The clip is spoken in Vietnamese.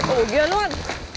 ổ kiến luôn